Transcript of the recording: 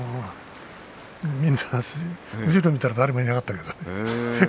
後ろを見たら誰もいなかったけど。